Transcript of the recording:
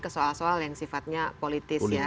ke soal soal yang sifatnya politis ya